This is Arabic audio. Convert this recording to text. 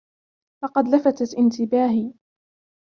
لقد لفتت انتباهي.